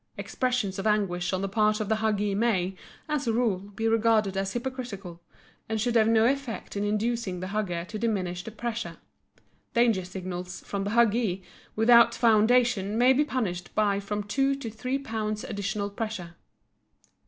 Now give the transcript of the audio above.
Expressions of anguish on the part of the huggee may, as a rule, be regarded as hypocritical, and should have no effect in inducing the hugger to diminish the pressure. Danger signals, from the huggee, without foundation may be punished by from two to three pounds additional pressure.